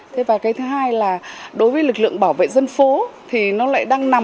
thứ hai là đối với lực lượng bảo vệ dân phố thì nó lại đang nằm